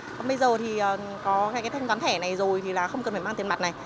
còn bây giờ thì có cái thanh toán thẻ này rồi thì là không cần phải mang tiền mặt này